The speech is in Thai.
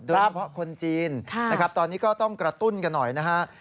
เฉพาะคนจีนนะครับตอนนี้ก็ต้องกระตุ้นกันหน่อยนะฮะ